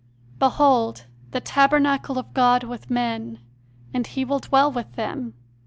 "Behold, the tabernacle of God with men; and He will dwell with them.